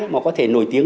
mà có thể nổi tiếng